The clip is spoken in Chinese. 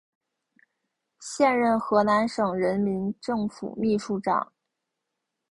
现任河南省人民政府秘书长。